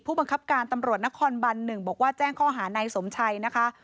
บังคับการตำรวจนครบัน๑บอกว่าแจ้งข้อหานายสมชัยนะคะ